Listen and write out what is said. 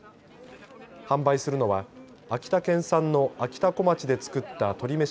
販売するのは秋田県産のあきたこまちで作った鶏めし